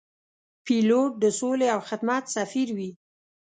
پیلوټ د سولې او خدمت سفیر وي.